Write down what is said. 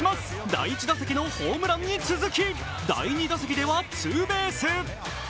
第１打席のホームランに続き第２打席ではツーベース。